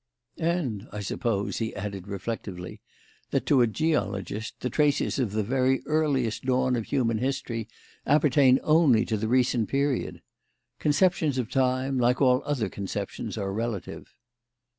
And, I suppose," he added, reflectively, "that to a geologist, the traces of the very earliest dawn of human history appertain only to the recent period. Conceptions of time, like all other conceptions, are relative."